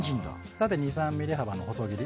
縦２３ｍｍ幅の細切り。